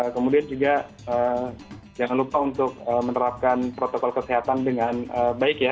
kemudian juga jangan lupa untuk menerapkan protokol kesehatan dengan baik ya